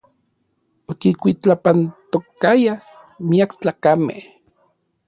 Okikuitlapantokayaj miak tlakamej.